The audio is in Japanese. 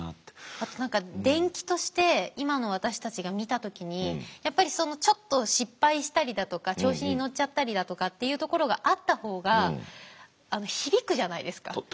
あと何か伝記として今の私たちが見た時にやっぱりちょっと失敗したりだとか調子に乗っちゃったりだとかっていうところがあった方が響くじゃないですか。